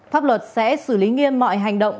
pháp luật sẽ xử lý nghiêm mọi hành động